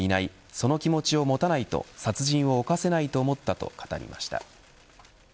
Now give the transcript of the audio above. その気持ちを持たないと殺人を犯せないと思ったと語りました。